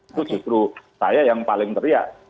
itu justru saya yang paling teriak